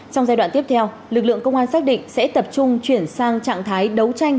trong giai đoạn tiếp theo lực lượng công an xác định sẽ tập trung chuyển sang trạng thái đấu tranh